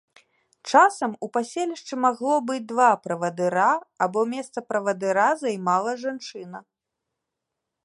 Часам у паселішчы магло быць два правадыра, або месца правадыра займала жанчына.